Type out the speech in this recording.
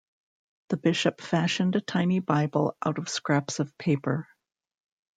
The bishop fashioned a tiny Bible out of scraps of paper.